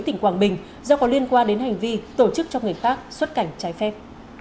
tỉnh quảng bình do có liên quan đến hành vi tổ chức cho người khác xuất cảnh trái phép